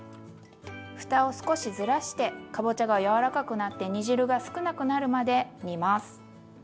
ふたを少しずらしてかぼちゃが柔らかくなって煮汁が少なくなるまで煮ます。